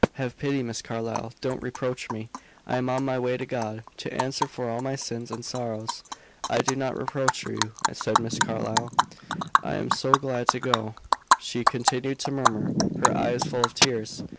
Have pity, Miss Carlyle! Don't reproach me. I am on my way to God, to answer for all my sins and sorrows." "I do not reproach you," said Miss Carlyle. "I am so glad to go," she continued to murmur, her eyes full of tears.